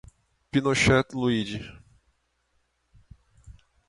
Pinochet, Luide